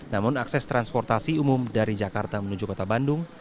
namun akses transportasi umum dari jakarta menuju kota bandung